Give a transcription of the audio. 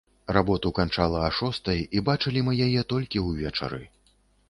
Работу канчала а шостай, і бачылі мы яе толькі ўвечары.